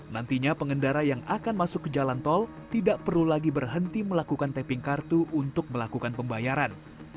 nantinya pengendara yang akan masuk ke jalan tol tidak perlu lagi berhenti melakukan tapping kartu untuk melakukan pembayaran